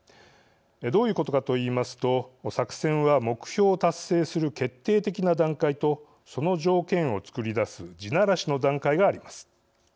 どういうことかといいますと作戦は、目標を達成する決定的な段階とその条件を作り出す地ならしの段階があります。